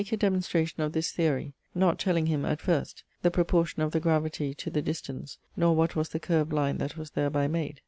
] a demonstration of this theory, not telling him, at first, the proportion of the gravity to the distance, nor what was the curv'd line that was thereby made.